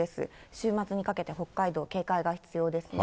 週末にかけて北海道、警戒が必要ですね。